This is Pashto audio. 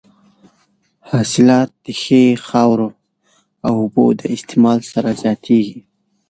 حاصلات د ښه خاورو او اوبو د استعمال سره زیاتېږي.